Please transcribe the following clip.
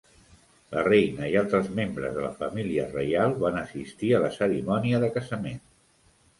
La reina i altres membres de la família reial van assistir a la cerimònia de casament.